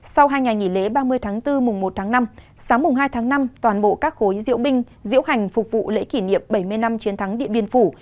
sau hai ngày nghỉ lễ ba mươi tháng bốn mùng một tháng năm sáng mùng hai tháng năm toàn bộ các khối diễu binh diễu hành phục vụ lễ kỷ niệm bảy mươi năm chiến thắng điện biên phủ